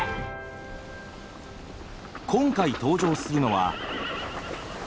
今回登場するのは。